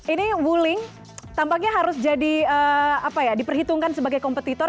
ini wuling tampaknya harus jadi diperhitungkan sebagai kompetitor